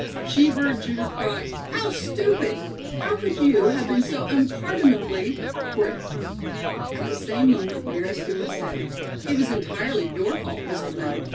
She heard Judith cry: "How stupid! How could you have been so unpardonably awkward!" At the same moment Mary Stewart said: "It was entirely your fault, Mr. Blount.